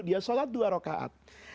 dia sholat dua rokaat